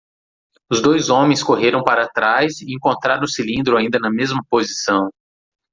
Os dois homens correram para trás e encontraram o cilindro ainda na mesma posição.